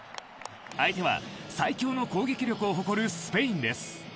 相手は最強の攻撃力を誇るスペインです。